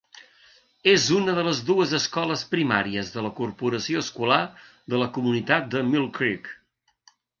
És una de les dues escoles primàries de la corporació escolar de la comunitat de Mill Creek.